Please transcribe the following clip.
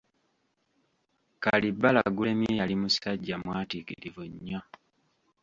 Kalibbala Gulemye yali musajja mwatiikirivu nnyo.